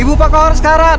ibu pak kohar sekarang